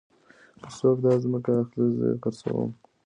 که څوک داځمکه اخلي زه يې خرڅوم.